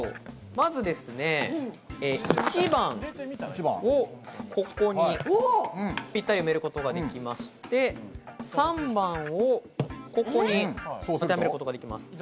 まず１番をここにぴったり埋めることができまして、３番をここに当てはめることができます。